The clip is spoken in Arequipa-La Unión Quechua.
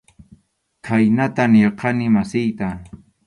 Khaynata nirqani masiyta.